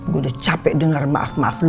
gue udah capek dengar maaf maaf lu